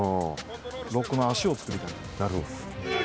ロックの足を作りたい。